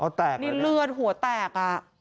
เอาแตกหรือเปล่านี่เลือดหัวแตก